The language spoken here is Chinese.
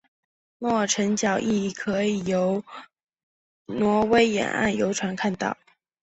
诺尔辰角亦可以由挪威沿岸游船看到。